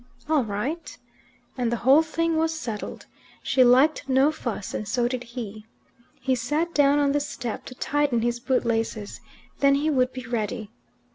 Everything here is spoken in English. "All right." And the whole thing was settled. She liked no fuss, and so did he. He sat down on the step to tighten his bootlaces. Then he would be ready.